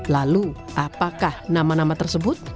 lalu apakah nama nama tersebut